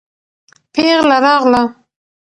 پېغله راغله.